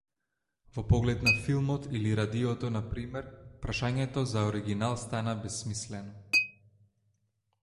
Во поглед на филмот или радиото, на пример, прашањето за оригинал стана бесмислено.